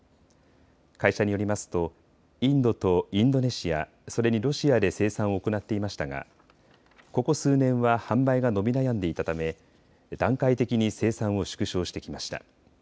会社によりますとインドとインドネシア、それにロシアで生産を行っていましたがここ数年は販売が伸び悩んでいたため段階的に生産を縮小してきました。